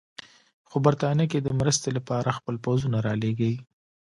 خو برټانیه که د مرستې لپاره خپل پوځونه رالېږي.